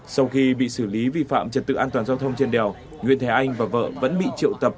sau khi bị xử lý vi phạm trật tự an toàn giao thông trên đèo nguyễn thế anh và vợ vẫn bị triệu tập